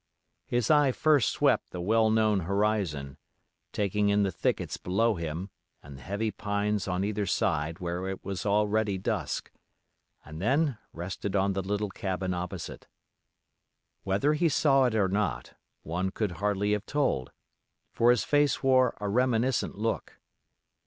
His eye first swept the well known horizon, taking in the thickets below him and the heavy pines on either side where it was already dusk, and then rested on the little cabin opposite. Whether he saw it or not, one could hardly have told, for his face wore a reminiscent look.